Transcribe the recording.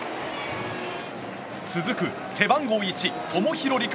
続く背番号１、友廣陸。